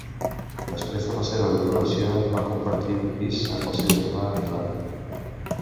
Després de la seva graduació va compartir un pis amb el seu germà a Milà.